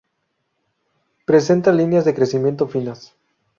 Presenta líneas de crecimiento finas.